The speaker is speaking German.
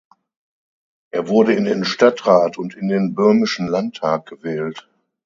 Er wurde in den Stadtrat und in den böhmischen Landtag gewählt.